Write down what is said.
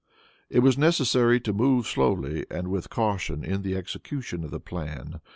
It was necessary to move slowly and with caution in the execution of the plan.